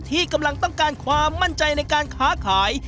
ที่กำลังต้องการความมั่นใจในการค้าขาย